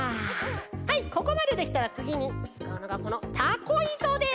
はいここまでできたらつぎにつかうのがこのたこいとです！